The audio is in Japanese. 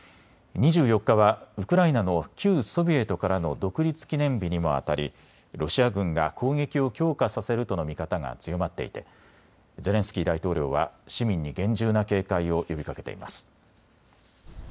２４日はウクライナの旧ソビエトからの独立記念日にもあたりロシア軍が攻撃を強化させるとの見方が強まっていてゼレンスキー大統領は市民に厳重な警戒を呼びかけています。